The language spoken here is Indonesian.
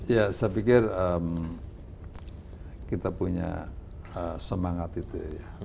ya saya pikir kita punya semangat itu ya